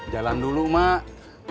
jalan dulu mak